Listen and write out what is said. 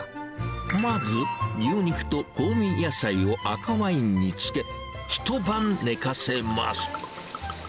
まず、牛肉と香味野菜を赤ワインに漬け、一晩寝かせます。